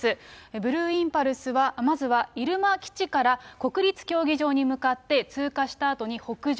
ブルーインパルスは、まずは入間基地から、国立競技場に向かって通過したあとに北上。